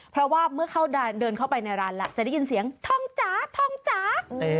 เพราะว่าเมื่อเขาเดินเข้าไปในร้านแล้วจะได้ยินเสียงท่องจ๋าทองจ๋า